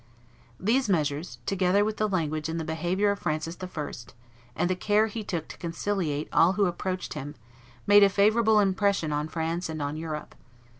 These measures, together with the language and the behavior of Francis I., and the care he took to conciliate all who approached him, made a favorable impression on France and on Europe.